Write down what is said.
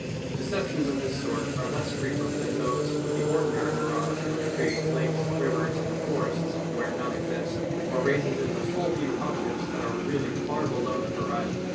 Deceptions of this sort are less frequent than those of the ordinary mirage which creates lakes, rivers and forests were none exist, or raises into full view objects that are really far below the hori zon.